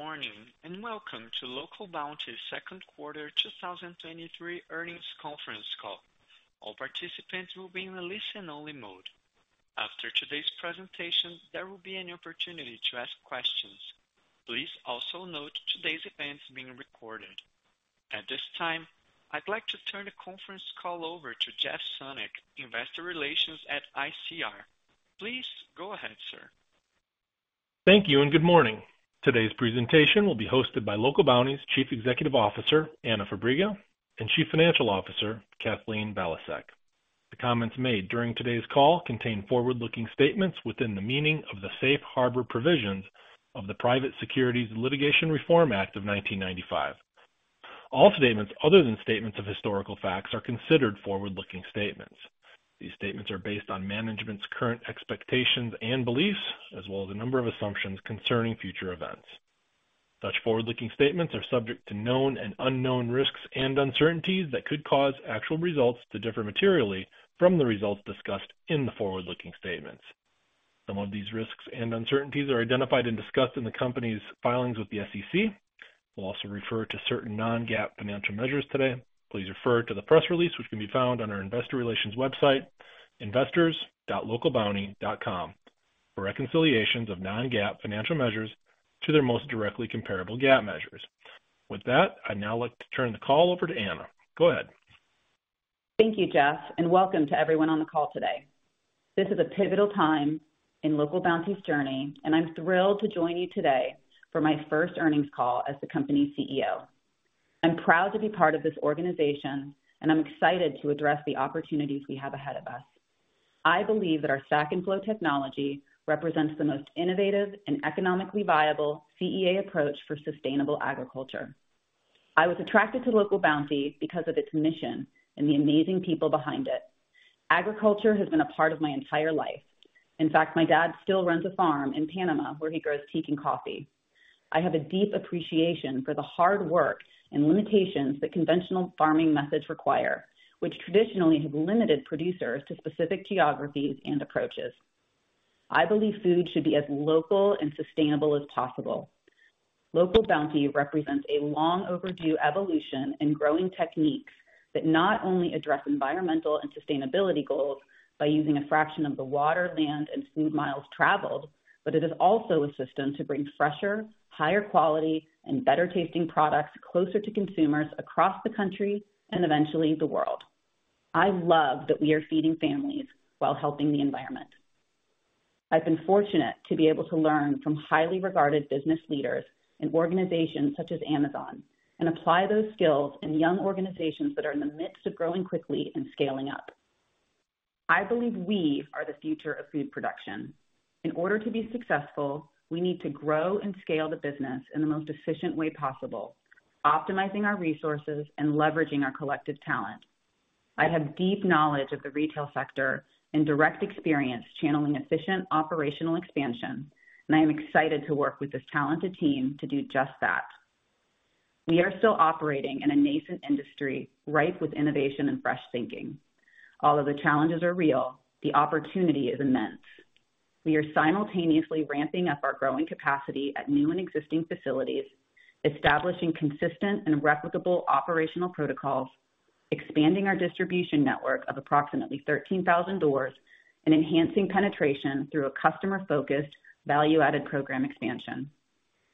Good morning, welcome to Local Bounti's second quarter 2023 earnings conference call. All participants will be in a listen-only mode. After today's presentation, there will be an opportunity to ask questions. Please also note today's event is being recorded. At this time, I'd like to turn the conference call over to Jeff Sonnek, Investor Relations at ICR. Please go ahead, sir. Thank you. Good morning. Today's presentation will be hosted by Local Bounti's Chief Executive Officer, Anna Fabrega, and Chief Financial Officer, Kathleen Valiasek. The comments made during today's call contain forward-looking statements within the meaning of the Safe Harbor Provisions of the Private Securities Litigation Reform Act of 1995. All statements other than statements of historical facts are considered forward-looking statements. These statements are based on management's current expectations and beliefs, as well as a number of assumptions concerning future events. Such forward-looking statements are subject to known and unknown risks and uncertainties that could cause actual results to differ materially from the results discussed in the forward-looking statements. Some of these risks and uncertainties are identified and discussed in the company's filings with the SEC. We'll also refer to certain non-GAAP financial measures today. Please refer to the press release, which can be found on our investor relations website, investors.localbounti.com, for reconciliations of non-GAAP financial measures to their most directly comparable GAAP measures. With that, I'd now like to turn the call over to Anna. Go ahead. Thank you, Jeff. Welcome to everyone on the call today. This is a pivotal time in Local Bounti's journey. I'm thrilled to join you today for my first earnings call as the company's CEO. I'm proud to be part of this organization. I'm excited to address the opportunities we have ahead of us. I believe that our Stack & Flow Technology represents the most innovative and economically viable CEA approach for sustainable agriculture. I was attracted to Local Bounti because of its mission and the amazing people behind it. Agriculture has been a part of my entire life. In fact, my dad still runs a farm in Panama, where he grows tea and coffee. I have a deep appreciation for the hard work and limitations that conventional farming methods require, which traditionally have limited producers to specific geographies and approaches. I believe food should be as local and sustainable as possible. Local Bounti represents a long-overdue evolution in growing techniques that not only address environmental and sustainability goals by using a fraction of the water, land, and food miles traveled, but it is also a system to bring fresher, higher quality, and better-tasting products closer to consumers across the country and eventually the world. I love that we are feeding families while helping the environment. I've been fortunate to be able to learn from highly regarded business leaders in organizations such as Amazon and apply those skills in young organizations that are in the midst of growing quickly and scaling up. I believe we are the future of food production. In order to be successful, we need to grow and scale the business in the most efficient way possible, optimizing our resources and leveraging our collective talent. I have deep knowledge of the retail sector and direct experience channeling efficient operational expansion, and I am excited to work with this talented team to do just that. We are still operating in a nascent industry, ripe with innovation and fresh thinking. Although the challenges are real, the opportunity is immense. We are simultaneously ramping up our growing capacity at new and existing facilities, establishing consistent and replicable operational protocols, expanding our distribution network of approximately 13,000 doors, and enhancing penetration through a customer-focused, value-added program expansion.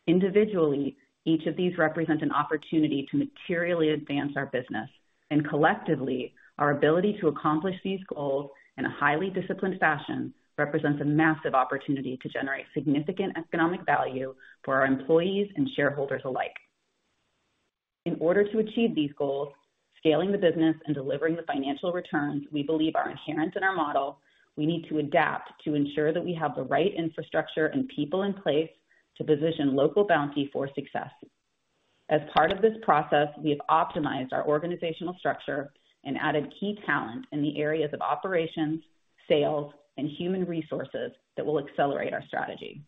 Individually, each of these represent an opportunity to materially advance our business, and collectively, our ability to accomplish these goals in a highly disciplined fashion represents a massive opportunity to generate significant economic value for our employees and shareholders alike. In order to achieve these goals, scaling the business and delivering the financial returns, we believe are inherent in our model, we need to adapt to ensure that we have the right infrastructure and people in place to position Local Bounti for success. As part of this process, we have optimized our organizational structure and added key talent in the areas of operations, sales, and human resources that will accelerate our strategy.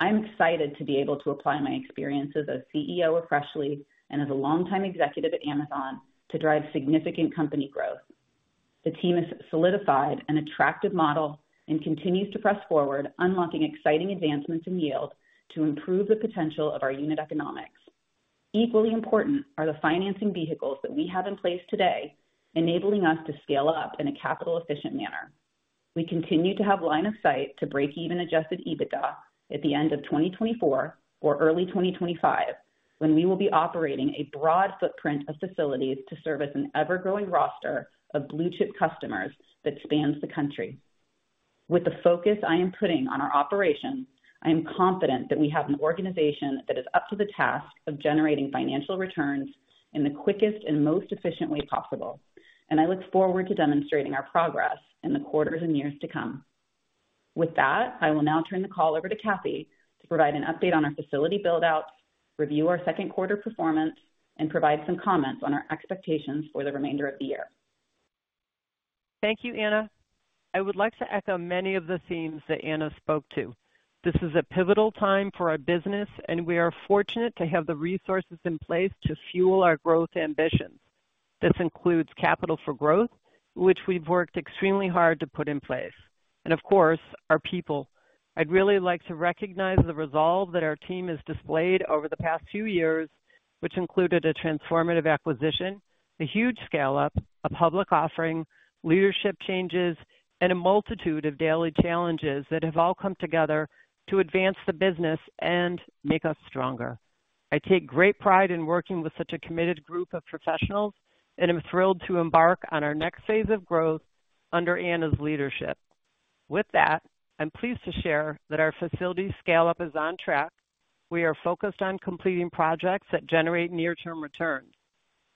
I'm excited to be able to apply my experience as a CEO of Freshly and as a longtime executive at Amazon to drive significant company growth. The team has solidified an attractive model and continues to press forward, unlocking exciting advancements in yield to improve the potential of our unit economics. Equally important are the financing vehicles that we have in place today, enabling us to scale up in a capital-efficient manner. We continue to have line of sight to break even adjusted EBITDA at the end of 2024 or early 2025, when we will be operating a broad footprint of facilities to service an ever-growing roster of blue-chip customers that spans the country. With the focus I am putting on our operations, I am confident that we have an organization that is up to the task of generating financial returns in the quickest and most efficient way possible, and I look forward to demonstrating our progress in the quarters and years to come. With that, I will now turn the call over to Kathy to provide an update on our facility build-outs, review our second quarter performance, and provide some comments on our expectations for the remainder of the year. Thank you, Anna. I would like to echo many of the themes that Anna spoke to. This is a pivotal time for our business, and we are fortunate to have the resources in place to fuel our growth ambitions. This includes capital for growth, which we've worked extremely hard to put in place, and of course, our people. I'd really like to recognize the resolve that our team has displayed over the past few years, which included a transformative acquisition, a huge scale-up, a public offering, leadership changes, and a multitude of daily challenges that have all come together to advance the business and make us stronger. I take great pride in working with such a committed group of professionals, and I'm thrilled to embark on our next phase of growth under Anna's leadership. With that, I'm pleased to share that our facility scale-up is on track. We are focused on completing projects that generate near-term returns.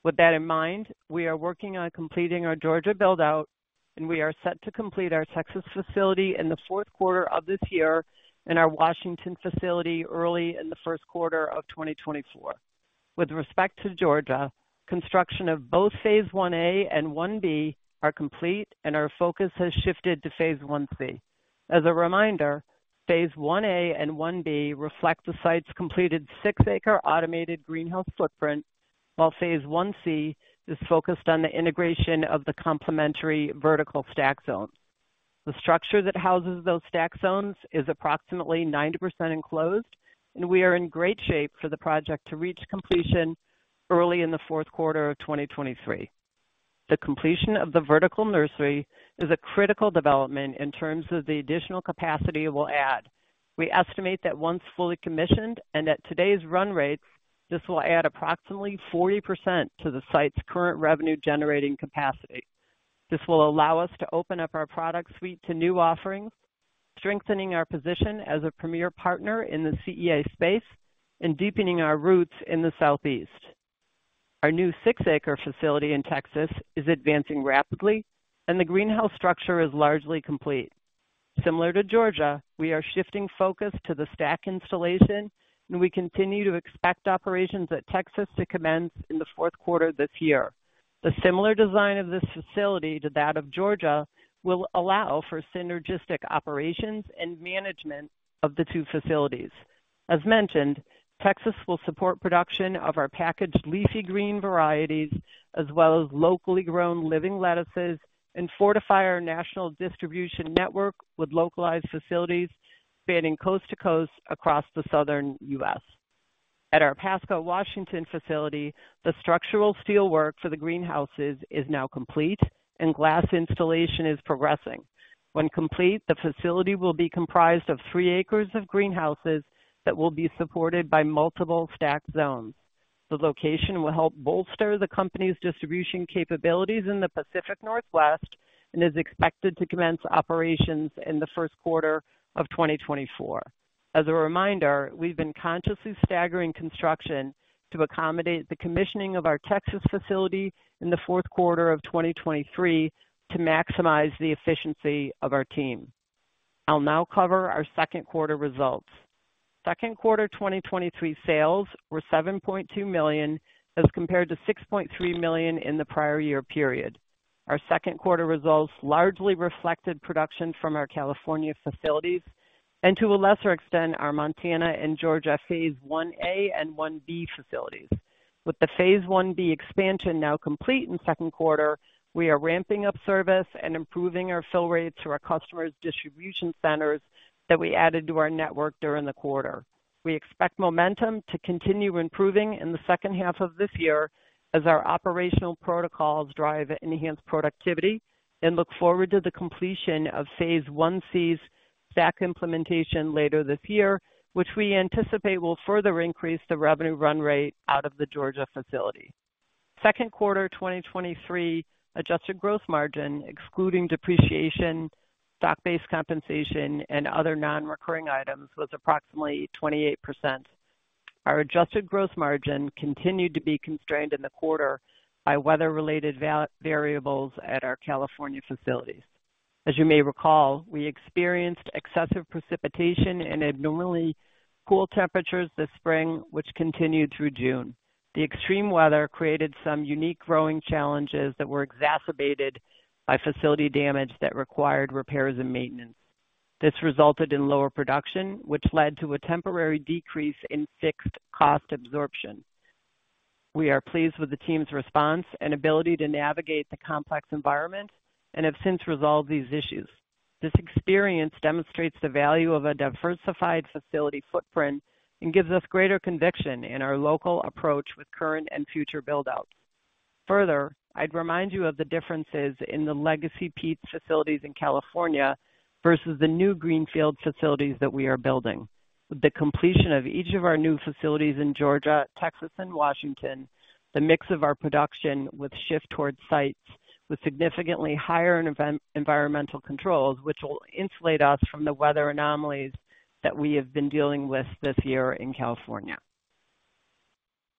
With that in mind, we are working on completing our Georgia build-out, and we are set to complete our Texas facility in the fourth quarter of this year and our Washington facility early in the first quarter of 2024. With respect to Georgia, construction of both Phase 1-A and Phase 1-B are complete, and our focus has shifted to Phase 1-C. As a reminder, Phase 1-A and Phase 1-B reflect the site's completed 6-acre automated greenhouse footprint, while Phase 1-C is focused on the integration of the complementary vertical stack zones. The structure that houses those stack zones is approximately 90% enclosed, and we are in great shape for the project to reach completion early in the fourth quarter of 2023. The completion of the vertical nursery is a critical development in terms of the additional capacity it will add. We estimate that once fully commissioned and at today's run rates, this will add approximately 40% to the site's current revenue-generating capacity. This will allow us to open up our product suite to new offerings, strengthening our position as a premier partner in the CEA space and deepening our roots in the Southeast. Our new 6-acre facility in Texas is advancing rapidly, and the greenhouse structure is largely complete. Similar to Georgia, we are shifting focus to the Stack installation, and we continue to expect operations at Texas to commence in the fourth quarter this year. The similar design of this facility to that of Georgia will allow for synergistic operations and management of the two facilities. As mentioned, Texas will support production of our packaged leafy green varieties, as well as locally grown living lettuces, and fortify our national distribution network with localized facilities spanning coast to coast across the Southern US. At our Pasco, Washington facility, the structural steelwork for the greenhouses is now complete and glass installation is progressing. When complete, the facility will be comprised of three acres of greenhouses that will be supported by multiple stack zones. The location will help bolster the company's distribution capabilities in the Pacific Northwest and is expected to commence operations in the first quarter of 2024. As a reminder, we've been consciously staggering construction to accommodate the commissioning of our Texas facility in the fourth quarter of 2023 to maximize the efficiency of our team. I'll now cover our second quarter results. Second quarter 2023 sales were $7.2 million, as compared to $6.3 million in the prior year period. Our second quarter results largely reflected production from our California facilities and to a lesser extent, our Montana and Georgia Phase 1-A and 1-B facilities. With the Phase 1-B expansion now complete in second quarter, we are ramping up service and improving our fill rates to our customers' distribution centers that we added to our network during the quarter. We expect momentum to continue improving in the second half of this year as our operational protocols drive enhanced productivity and look forward to the completion of Phase 1-C's Stack implementation later this year, which we anticipate will further increase the revenue run rate out of the Georgia facility. Second quarter 2023 adjusted gross margin, excluding depreciation, stock-based compensation, and other non-recurring items, was approximately 28%. Our adjusted gross margin continued to be constrained in the quarter by weather-related variables at our California facilities. As you may recall, we experienced excessive precipitation and abnormally cool temperatures this spring, which continued through June. The extreme weather created some unique growing challenges that were exacerbated by facility damage that required repairs and maintenance. This resulted in lower production, which led to a temporary decrease in fixed cost absorption. We are pleased with the team's response and ability to navigate the complex environment and have since resolved these issues. This experience demonstrates the value of a diversified facility footprint and gives us greater conviction in our local approach with current and future buildouts. Further, I'd remind you of the differences in the legacy Pete's facilities in California versus the new greenfield facilities that we are building. With the completion of each of our new facilities in Georgia, Texas, and Washington, the mix of our production will shift towards sites with significantly higher and environmental controls, which will insulate us from the weather anomalies that we have been dealing with this year in California.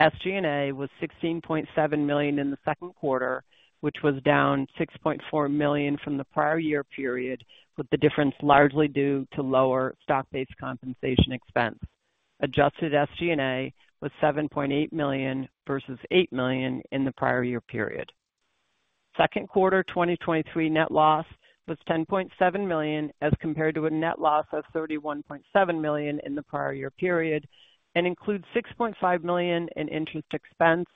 SG&A was $16.7 million in the second quarter, which was down $6.4 million from the prior year period, with the difference largely due to lower stock-based compensation expense. Adjusted SG&A was $7.8 million versus $8 million in the prior year period. Second quarter 2023 net loss was $10.7 million, as compared to a net loss of $31.7 million in the prior year period, and includes $6.5 million in interest expense,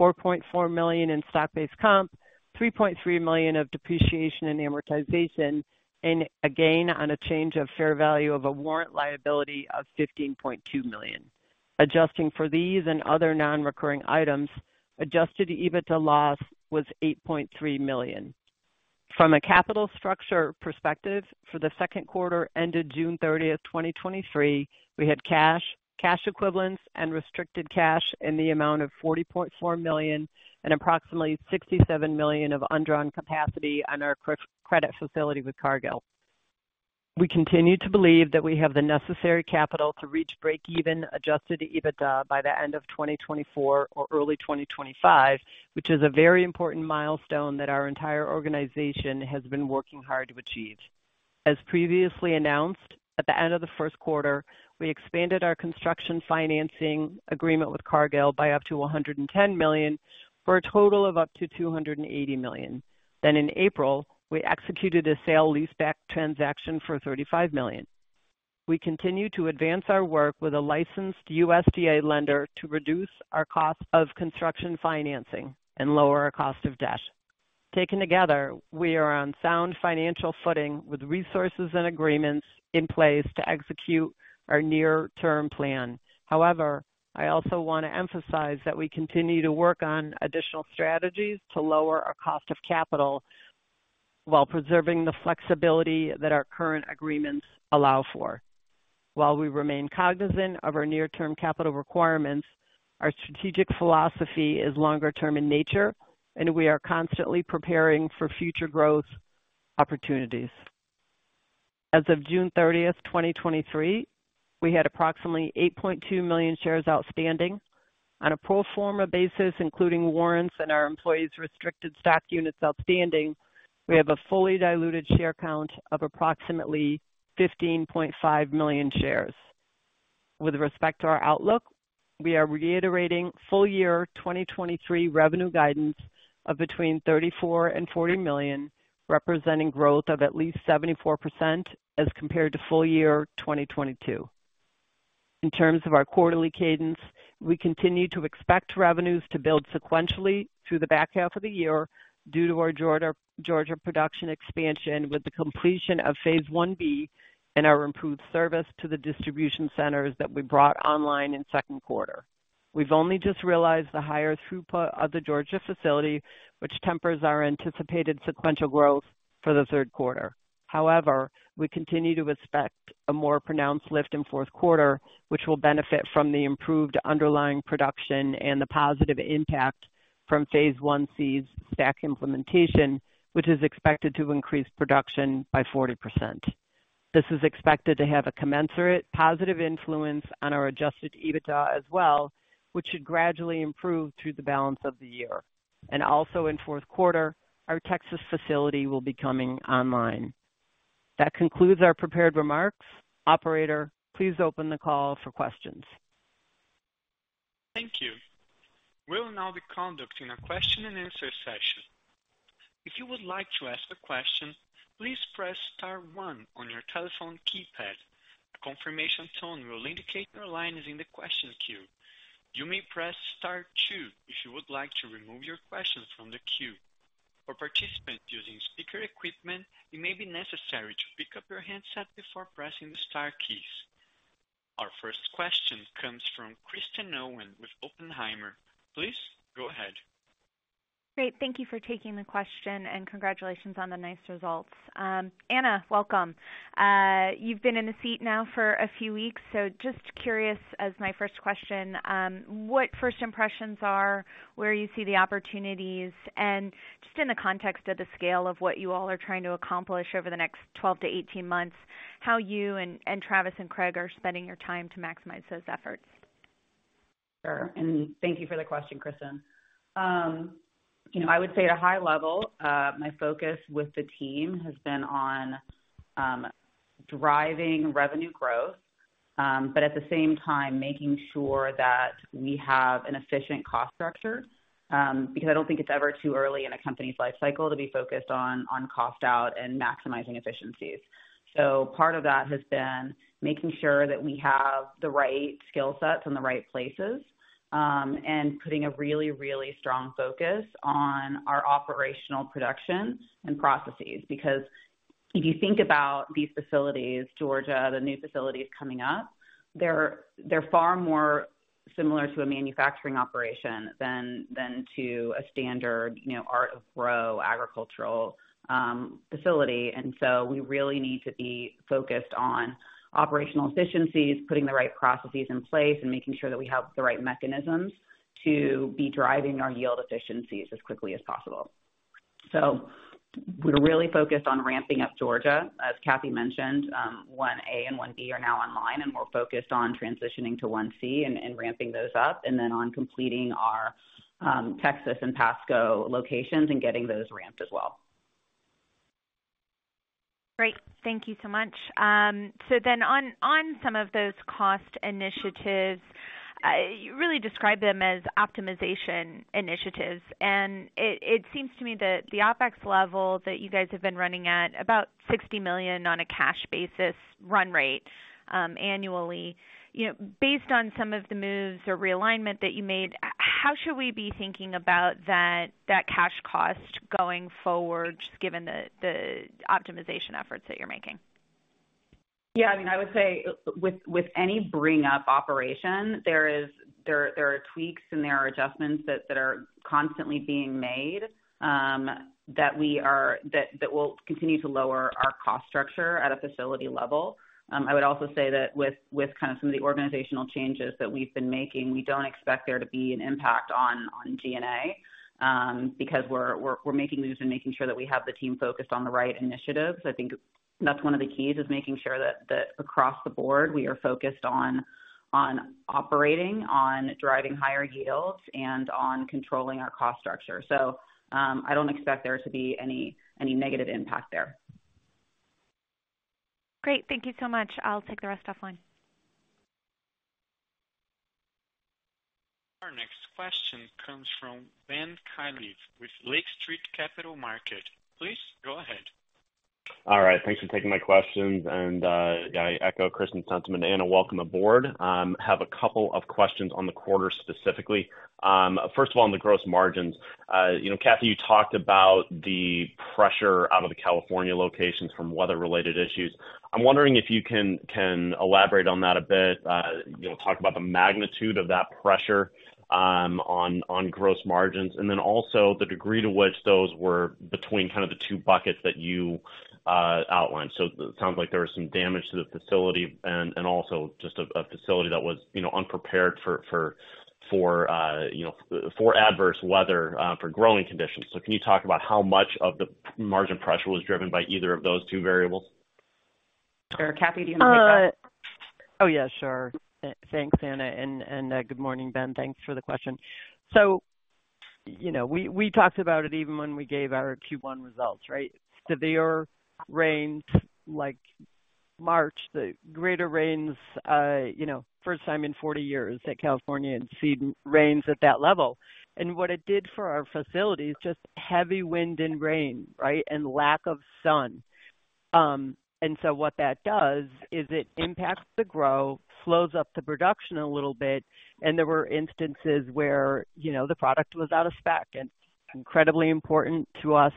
$4.4 million in stock-based comp, $3.3 million of depreciation and amortization, and a gain on a change of fair value of a warrant liability of $15.2 million. Adjusting for these and other non-recurring items, adjusted EBITDA loss was $8.3 million. From a capital structure perspective, for the second quarter ended June 30th, 2023, we had cash, cash equivalents, and restricted cash in the amount of $40.4 million, and approximately $67 million of undrawn capacity on our credit facility with Cargill. We continue to believe that we have the necessary capital to reach breakeven adjusted EBITDA by the end of 2024 or early 2025, which is a very important milestone that our entire organization has been working hard to achieve. As previously announced, at the end of the first quarter, we expanded our construction financing agreement with Cargill by up to $110 million, for a total of up to $280 million. In April, we executed a sale-leaseback transaction for $35 million. We continue to advance our work with a licensed USDA lender to reduce our cost of construction financing and lower our cost of debt. Taken together, we are on sound financial footing with resources and agreements in place to execute our near-term plan. However, I also want to emphasize that we continue to work on additional strategies to lower our cost of capital while preserving the flexibility that our current agreements allow for. While we remain cognizant of our near-term capital requirements, our strategic philosophy is longer term in nature, and we are constantly preparing for future growth opportunities. As of June 30, 2023, we had approximately 8.2 million shares outstanding. On a pro forma basis, including warrants and our employees restricted stock units outstanding, we have a fully diluted share count of approximately 15.5 million shares. With respect to our outlook, we are reiterating full year 2023 revenue guidance of between $34 million and $40 million, representing growth of at least 74% as compared to full year 2022. In terms of our quarterly cadence, we continue to expect revenues to build sequentially through the back half of the year due to our Georgia, Georgia production expansion, with the completion of Phase 1-B and our improved service to the distribution centers that we brought online in second quarter. We've only just realized the higher throughput of the Georgia facility, which tempers our anticipated sequential growth for the third quarter. However, we continue to expect a more pronounced lift in fourth quarter, which will benefit from the improved underlying production and the positive impact from Phase 1-C's stack implementation, which is expected to increase production by 40%. This is expected to have a commensurate positive influence on our adjusted EBITDA as well, which should gradually improve through the balance of the year. Also in fourth quarter, our Texas facility will be coming online. That concludes our prepared remarks. Operator, please open the call for questions. Thank you. We'll now be conducting a question and answer session. If you would like to ask a question, please press star one on your telephone ke ypad. A confirmation tone will indicate your line is in the question queue. You may press star two if you would like to remove your question from the queue. For participants using speaker equipment, it may be necessary to pick up your handset before pressing the star keys. Our first question comes from Kristen Owen with Oppenheimer. Please go ahead. Great. Thank you for taking the question, and congratulations on the nice results. Anna, welcome. You've been in the seat now for a few weeks, so just curious, as my first question, what first impressions are, where you see the opportunities, and just in the context of the scale of what you all are trying to accomplish over the next 12-18 months, how you and, and Travis and Craig are spending your time to maximize those efforts? Sure. Thank you for the question, Kristen. You know, I would say at a high level, my focus with the team has been on driving revenue growth, but at the same time making sure that we have an efficient cost structure, because I don't think it's ever too early in a company's life cycle to be focused on cost out and maximizing efficiencies. Part of that has been making sure that we have the right skill sets in the right places, and putting a really, really strong focus on our operational production and processes. If you think about these facilities, Georgia, the new facilities coming up, they're, they're far more similar to a manufacturing operation than to a standard, you know, art of grow agricultural facility. We really need to be focused on operational efficiencies, putting the right processes in place, and making sure that we have the right mechanisms to be driving our yield efficiencies as quickly as possible. We're really focused on ramping up Georgia. As Kathy mentioned, 1-A and 1-B are now online, and we're focused on transitioning to 1-C and ramping those up, and then on completing our Texas and Pasco locations and getting those ramped as well. Great. Thank you so much. On, on some of those cost initiatives, you really describe them as optimization initiatives, and it, it seems to me that the OpEx level that you guys have been running at about $60 million on a cash basis run rate, annually. You know, based on some of the moves or realignment that you made, how should we be thinking about that, that cash cost going forward, just given the, the optimization efforts that you're making? Yeah, I mean, I would say with, with any bring up operation, there are tweaks and there are adjustments that, that are constantly being made, that will continue to lower our cost structure at a facility level. I would also say that with, with kind of some of the organizational changes that we've been making, we don't expect there to be an impact on, on G&A, because we're, we're, we're making moves and making sure that we have the team focused on the right initiatives. I think that's one of the keys, is making sure that, that across the board, we are focused on, on operating, on driving higher yields, and on controlling our cost structure. So, I don't expect there to be any, any negative impact there. Great. Thank you so much. I'll take the rest off-line. Our next question comes from Ben Klieve with Lake Street Capital Markets. Please go ahead. All right, thanks for taking my questions. Yeah, I echo Kristen's sentiment, Anna, welcome aboard. Have a couple of questions on the quarter, specifically. First of all, on the gross margins. You know, Kathy, you talked about the pressure out of the California locations from weather-related issues. I'm wondering if you can, can elaborate on that a bit, you know, talk about the magnitude of that pressure on, on gross margins, and then also the degree to which those were between kind of the two buckets that you outlined. It sounds like there was some damage to the facility and, and also just a, a facility that was, you know, unprepared for, for, for, you know, for adverse weather for growing conditions. can you talk about how much of the margin pressure was driven by either of those two variables? Sure. Kathy, do you want to take that? Oh, yeah, sure. Thanks, Anna, and, good morning, Ben. Thanks for the question. You know, we, we talked about it even when we gave our Q1 results, right? Severe rains, like March, the greater rains, you know, first time in 40 years that California had seen rains at that level. What it did for our facilities, just heavy wind and rain, right? Lack of sun. What that does is it impacts the growth, slows up the production a little bit, and there were instances where, you know, the product was out of spec. Incredibly important to us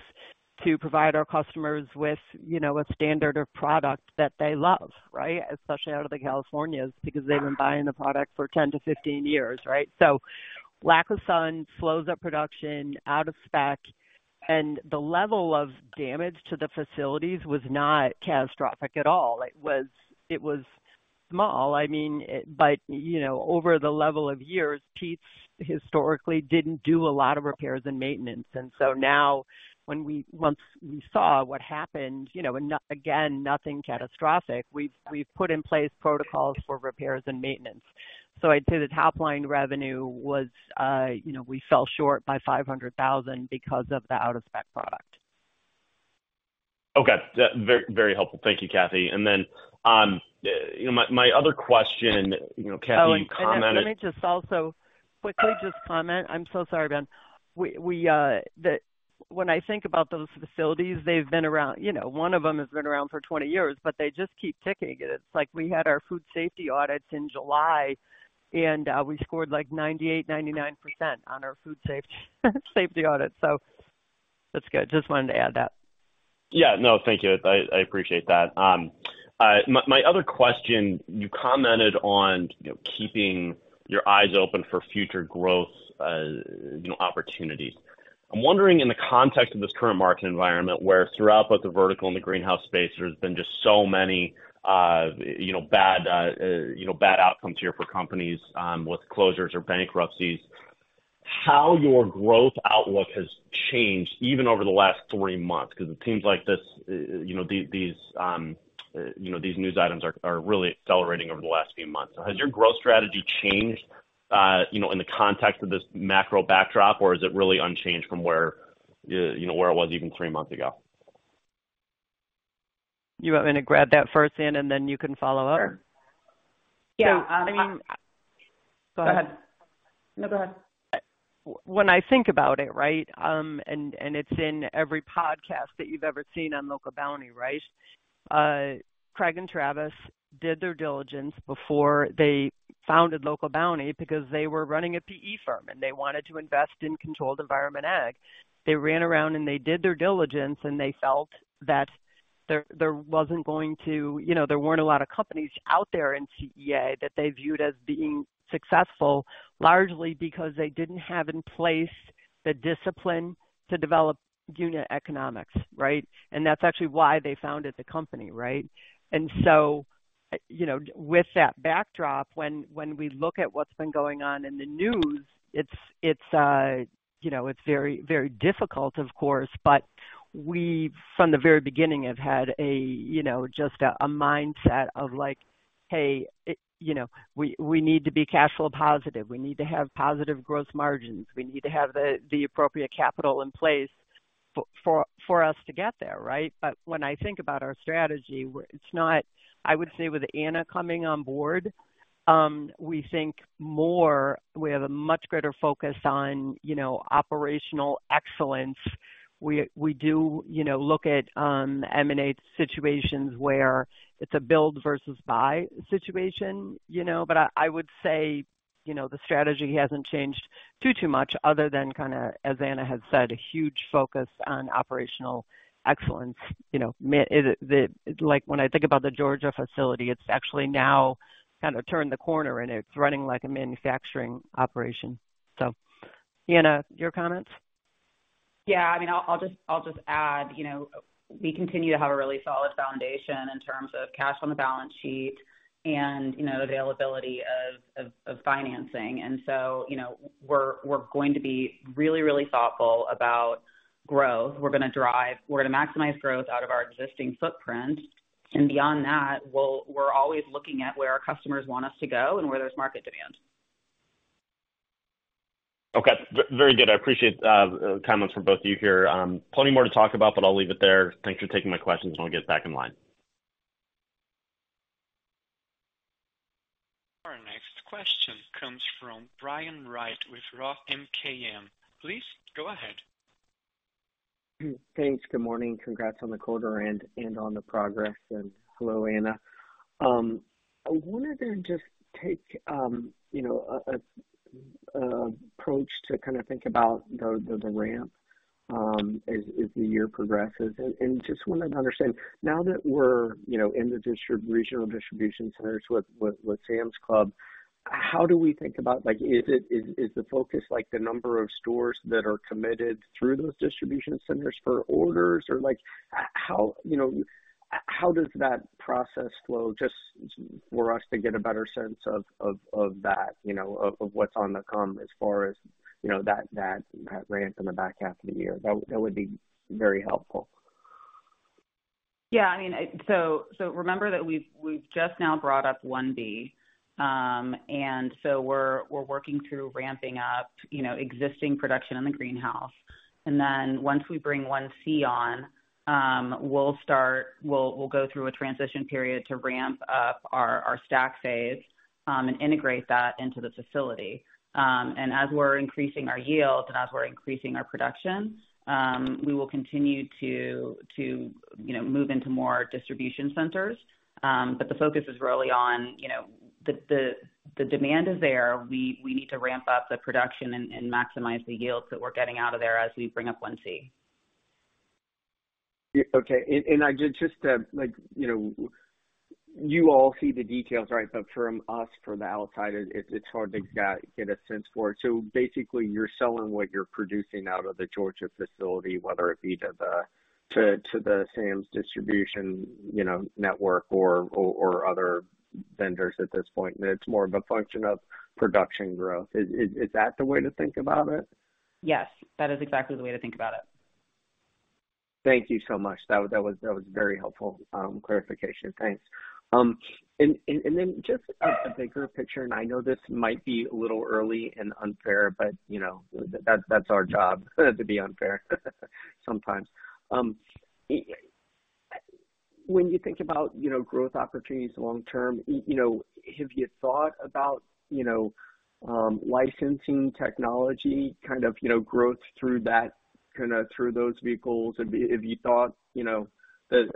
to provide our customers with, you know, a standard of product that they love, right? Especially out of the Californias, because they've been buying the product for 10 to 15 years, right? Lack of sun slows up production out of spec, and the level of damage to the facilities was not catastrophic at all. It was, it was small. I mean, you know, over the level of years, Pete's historically didn't do a lot of repairs and maintenance. Now, when we-- once we saw what happened, you know, again, nothing catastrophic, we've, we've put in place protocols for repairs and maintenance. I'd say the top-line revenue was, you know, we fell short by $500,000 because of the out-of-spec product. Okay. Yeah, very, very helpful. Thank you, Kathy. Then, you know, my, my other question, you know, Kathy, you commented- Let me just also quickly just comment. I'm so sorry, Ben. We, we, when I think about those facilities, they've been around, you know, one of them has been around for 20 years, but they just keep ticking. It's like, we had our food safety audits in July, and we scored, like, 98%, 99% on our food safety, safety audit. That's good. Just wanted to add that. Yeah. No, thank you. I, I appreciate that. My, my other question, you commented on, you know, keeping your eyes open for future growth, you know, opportunities. I'm wondering in the context of this current market environment, where throughout both the vertical and the greenhouse space, there's been just so many, you know, bad, bad outcomes here for companies, with closures or bankruptcies, how your growth outlook has changed even over the last three months, because it seems like this, you know, these news items are really accelerating over the last few months. Has your growth strategy changed, you know, in the context of this macro backdrop, or is it really unchanged from where it was even three months ago? You want me to grab that first in, and then you can follow up? Sure. Yeah. I mean. Go ahead. No, go ahead. When I think about it, right, and, and it's in every podcast that you've ever seen on Local Bounti, right? Craig and Travis did their diligence before they founded Local Bounti because they were running a PE firm, and they wanted to invest in controlled environment ag. They ran around, and they did their diligence, and they felt that there, there wasn't going to... You know, there weren't a lot of companies out there in CEA that they viewed as being successful, largely because they didn't have in place the discipline to develop unit economics, right? That's actually why they founded the company, right? You know, with that backdrop, when, when we look at what's been going on in the news, it's, it's, you know, it's very, very difficult, of course, but we, from the very beginning, have had a, you know, just a, a mindset of like, you know, we, we need to be cash flow positive. We need to have positive gross margins. We need to have the, the appropriate capital in place for us to get there, right? When I think about our strategy, it's not. I would say with Anna coming on board, we think more. We have a much greater focus on, you know, operational excellence. We, we do, you know, look at M&A-type situations where it's a build versus buy situation, you know? I, I would say, you know, the strategy hasn't changed too, too much other than kind of, as Anna had said, a huge focus on operational excellence. You know, it, like, when I think about the Georgia facility, it's actually now kind of turned the corner, and it's running like a manufacturing operation. Anna, your comments? Yeah, I mean, I'll just add, you know, we continue to have a really solid foundation in terms of cash on the balance sheet and, you know, availability of financing. You know, we're going to be really, really thoughtful about growth. We're going to maximize growth out of our existing footprint. Beyond that, we're always looking at where our customers want us to go and where there's market demand. Okay, very good. I appreciate the comments from both of you here. Plenty more to talk about, but I'll leave it there. Thanks for taking my questions. I'll get back in line. Our next question comes from Brian Wright with Roth MKM. Please go ahead. Thanks. Good morning. Congrats on the quarter and, and on the progress, and hello, Anna. I wanted to just take, you know, a, a, a approach to kind of think about the, the ramp, as, as the year progresses. And, and just wanted to understand, now that we're, you know, in the regional distribution centers with, with, with Sam's Club, how do we think about, like, is it, is, is the focus like the number of stores that are committed through those distribution centers for orders? Or like, you know, how does that process flow just for us to get a better sense of, of, of that, you know, of, of what's on the come as far as, you know, that, that ramp in the back half of the year? That would, that would be very helpful. Yeah, I mean, I... So, so remember that we've, we've just now brought up Phase 1-B. So we're, we're working through ramping up, you know, existing production in the greenhouse. Then once we bring Phase 1-C on, we'll start, we'll, we'll go through a transition period to ramp up our, our Stack phase, and integrate that into the facility. As we're increasing our yields and as we're increasing our production, we will continue to, to, you know, move into more distribution centers. The focus is really on, you know, the, the, the demand is there. We, we need to ramp up the production and, and maximize the yields that we're getting out of there as we bring up Phase 1-C. Yeah. Okay. I just like, you know, you all see the details, right? From us, from the outside, it, it's hard to get, get a sense for it. Basically, you're selling what you're producing out of the Georgia facility, whether it be to the, to, to the Sam's distribution, you know, network or, or, or other vendors at this point, and it's more of a function of production growth. Is, is, is that the way to think about it? Yes, that is exactly the way to think about it. Thank you so much. That was, that was, that was very helpful, clarification. Thanks. Then just the bigger picture, and I know this might be a little early and unfair, but, you know, that- that's our job, to be unfair, sometimes. When you think about, you know, growth opportunities long term, you know, have you thought about, you know, licensing technology, kind of, you know, growth through that, kind of through those vehicles? Have you, have you thought, you know,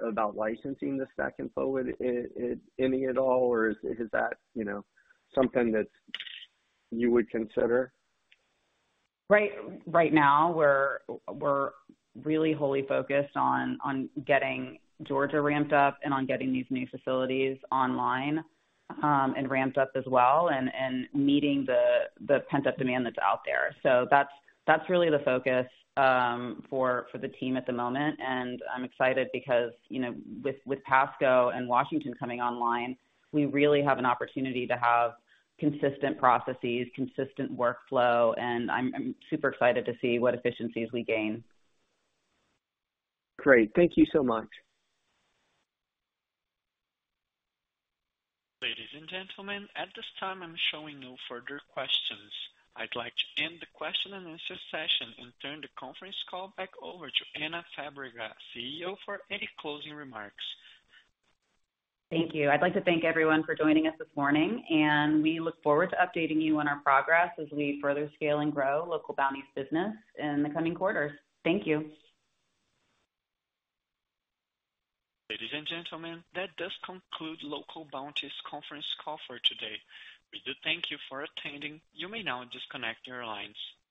about licensing the Stack and Flow, any at all, or is, is that, you know, something that you would consider? Right, right now, we're, we're really wholly focused on, on getting Georgia ramped up and on getting these new facilities online, and ramped up as well, and, and meeting the, the pent-up demand that's out there. That's, that's really the focus, for, for the team at the moment. I'm excited because, you know, with, with Pasco and Washington coming online, we really have an opportunity to have consistent processes, consistent workflow, and I'm, I'm super excited to see what efficiencies we gain. Great. Thank you so much. Ladies and gentlemen, at this time, I'm showing no further questions. I'd like to end the question and answer session and turn the conference call back over to Anna Fabrega, CEO, for any closing remarks. Thank you. I'd like to thank everyone for joining us this morning, and we look forward to updating you on our progress as we further scale and grow Local Bounti's business in the coming quarters. Thank you. Ladies and gentlemen, that does conclude Local Bounti's conference call for today. We do thank you for attending. You may now disconnect your lines.